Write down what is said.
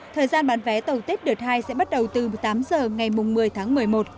thời gian bán vé tàu tết đợt hai sẽ bắt đầu từ một mươi tám h ngày một mươi tháng một mươi một